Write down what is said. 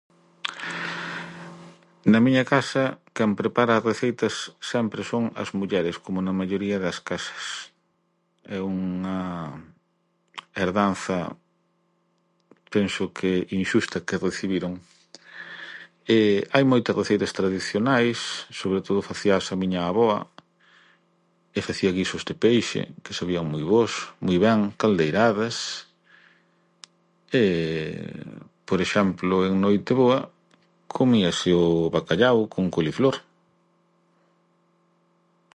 Na miña casa quen prepara as receitas sempre son as mulleres, como na maioría das casas. É unha herdanza penso que inxusta que recibiron. Hai moitas receitas tradicionais, sobre todo facíaas a miña avoa, e facía guisos de peixe que sabían moi bos, moi ben, caldeiradas. Por exemplo, en noiteboa comíase o bacallau con coliflor.